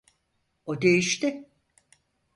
O değişti.